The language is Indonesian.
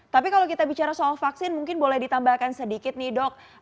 tapi kalau kita bicara soal vaksin mungkin boleh ditambahkan sedikit nih dok